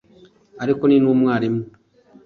ariko ni n’umwarimu